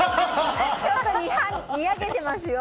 ちょっとにやけてますよ！